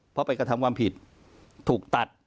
เพราะไปกระทำความผิด